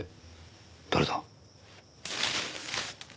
誰だ？